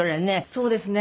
そうですね。